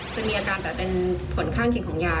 จะมีอาการแต่เป็นผลข้างเคียงของยา